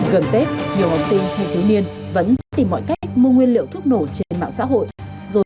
gần tết nhiều học sinh hay thú niên vẫn tìm mọi cách mua nguyên liệu thuốc nổ trên mạng xã hội